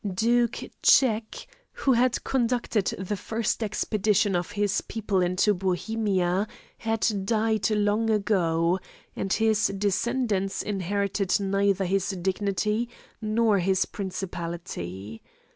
Duke Czech, who had conducted the first expedition of his people into Bohemia, had died long ago, and his descendants inherited neither his dignity nor his principality.